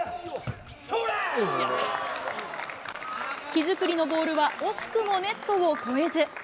木造のボールは、惜しくもネットを越えず。